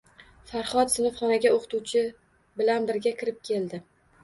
Farhod sinfxonaga o`qituvchi bilan birga kirib keldi